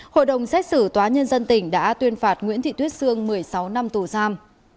hội đồng xét xử tòa nhân dân tỉnh đã tuyên phạt nguyễn thị tuyết sương một mươi sáu năm tù giam